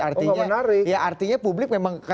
artinya publik memang